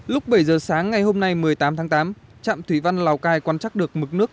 lúc bảy giờ sáng ngày hôm nay một mươi tám tháng tám trạm thủy văn lào cai quan trắc được mực nước